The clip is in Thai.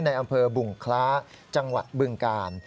ในอำเภอบุงคล้าจังหวัดบึงกาล